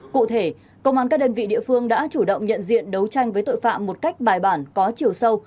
cụ thể công an các đơn vị địa phương đã chủ động nhận diện đấu tranh với tội phạm một cách bài bản có chiều sâu